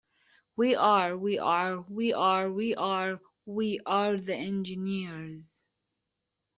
"We are, we are, we are, we are, we are the Engineers!